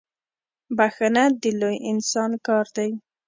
بخښنه د لوی انسان کار دی.